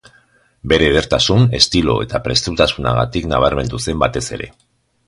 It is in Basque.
Bere edertasun, estilo eta prestutasunagatik nabarmendu zen batez ere.